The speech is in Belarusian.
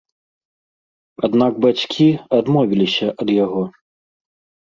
Аднак бацькі адмовіліся ад яго.